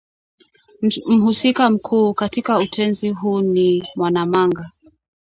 Mhusika mkuu katika utenzi huu ni Mwanamanga